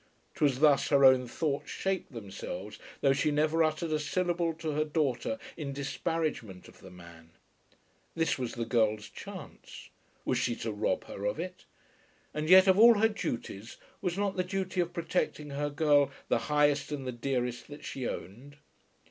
'Twas thus her own thoughts shaped themselves, though she never uttered a syllable to her daughter in disparagement of the man. This was the girl's chance. Was she to rob her of it? And yet, of all her duties, was not the duty of protecting her girl the highest and the dearest that she owned?